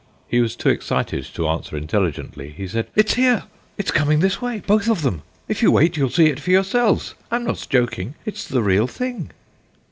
He was too excited to answer intelligently. He said "It's here. It's coming this way, both of them. If you wait, you'll see it for yourselves. I'm not joking; it's the real thing."